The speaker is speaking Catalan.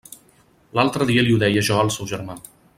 L'altre dia li ho deia jo al seu germà.